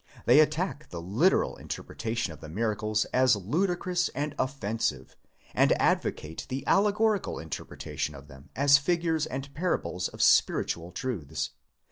They attack the literal interpretation of the miracles as ludicrous and offen sive, and advocate the allegorical interpretation of them as figures and parables of spiritual truths.